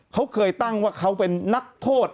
เขาเคยตั้งว่าเขาเป็นนักโทษ